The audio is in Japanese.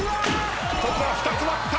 ここは２つ割った！